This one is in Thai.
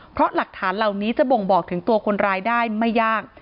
เพราะหลักฐานเหล่านี้จะบ่งบอกถึงตัวคนร้ายได้ไม่ยาก